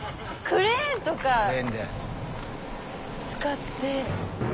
クレーンとか使って。